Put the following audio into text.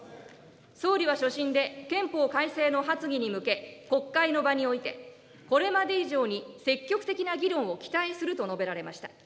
総理は所信で、憲法改正の発議に向け、国会の場において、これまで以上に積極的な議論を期待すると述べられました。